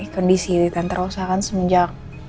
kondisi tante rausa kan semenjak